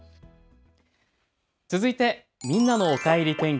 続いてみんなのおかえり天気。